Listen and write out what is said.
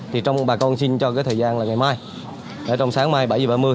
thì trong bà con xin cho cái thời gian là ngày mai ở trong sáng mai bảy h ba mươi